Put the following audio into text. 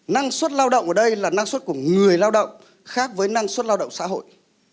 năng suất lao động ở đây là năng suất của người lao động khác với năng suất lao động xã hội